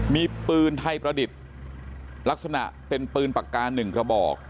มีปืนไทยประดิษฐ์ลักษณะเป็นปืนปากกา๑กระบอก